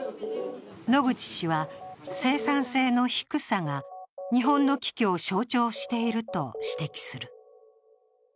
野口氏は、生産性の低さが日本の危機を象徴していると指摘する。